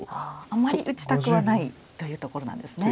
あんまり打ちたくはないというところなんですね。